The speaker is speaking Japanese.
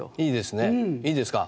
いいですか？